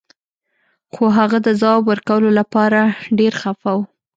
خو هغه د ځواب ورکولو لپاره ډیر خفه و